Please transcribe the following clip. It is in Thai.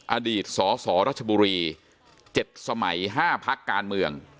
อดีตสสรัชบุรี๗สมัย๕พักการเมือง